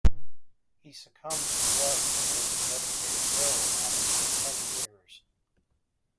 He succumbed to drugs and was a dedicated heroin addicted for ten years.